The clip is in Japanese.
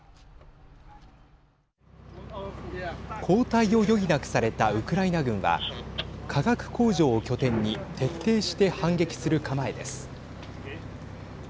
後退を余儀なくされたウクライナ軍は化学工場を拠点に徹底して反撃する構えです。